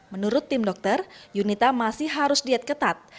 menurut tim dokter yunita masih harus diet ketat